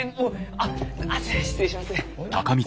あっ失礼します。